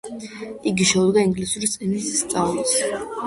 იქვე შეუდგა ინგლისური ენის სწავლას.